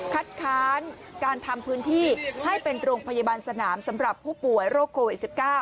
ค้านการทำพื้นที่ให้เป็นโรงพยาบาลสนามสำหรับผู้ป่วยโรคโควิด๑๙